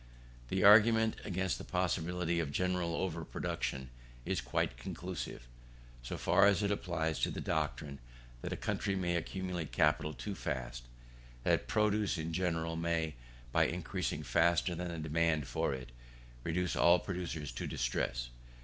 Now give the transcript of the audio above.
The argument against the possibility of general over production is quite conclusive, so far as it applies to the doctrine that a country may accumulate capital too fast; that produce in general may, by increasing faster than the demand for it, reduce all producers to distress.